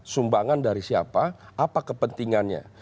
sumbangan dari siapa apa kepentingannya